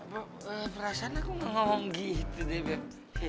perasaan aku gak ngomong gitu deh beb